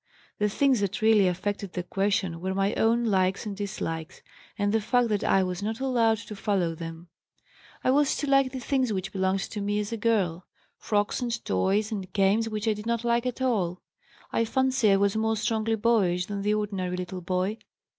The things that really affected the question were my own likes and dislikes, and the fact that I was not allowed to follow them. I was to like the things which belonged to me as a girl, frocks and toys and games which I did not like at all. I fancy I was more strongly 'boyish' than the ordinary little boy.